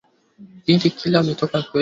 indi kile wametoka kwenye